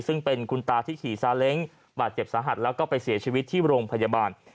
ซึ่งเป็นคุณตาที่ขี่ซาเล้งบาดเจ็บสาหัสแล้วก็ไปเสียชีวิตที่โรงพยาบาล